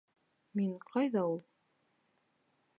Мин ҡайҙа ул?